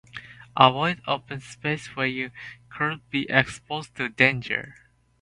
Avoid open spaces where you could be exposed to danger.